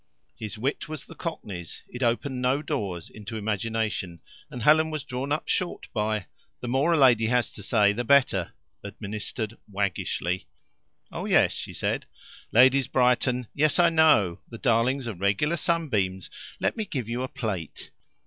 His wit was the Cockney's; it opened no doors into imagination, and Helen was drawn up short by "The more a lady has to say, the better," administered waggishly. "Oh, yes," she said. "Ladies brighten " "Yes, I know. The darlings are regular sunbeams. Let me give you a plate."